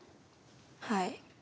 はい。